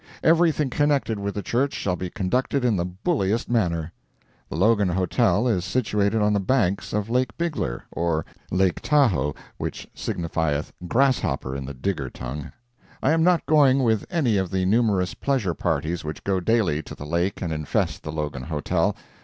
Everything connected with the church shall be conducted in the bulliest manner. The Logan Hotel is situated on the banks of Lake Bigler—or Lake Tahoe, which signifieth "grasshopper" in the Digger tongue. I am not going with any of the numerous pleasure parties which go daily to the lake and infest the Logan Hotel.